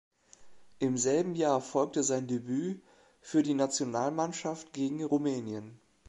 Im selben Jahr folgte sein Debüt für die Nationalmannschaft gegen Rumänien.